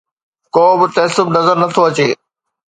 ڪوبه تعصب نظر نٿو اچي